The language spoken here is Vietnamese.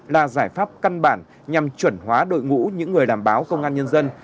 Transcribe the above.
là giải pháp căn bản nhằm chuẩn hóa đội ngũ những người làm báo công an nhân dân